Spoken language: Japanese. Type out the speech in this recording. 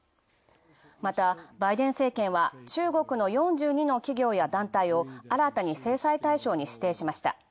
また、バイデン政権は、中国の４２の企業名団体を新たに制裁対象に指定しました。